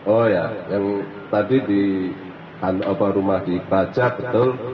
oh ya yang tadi di rumah di kerajat betul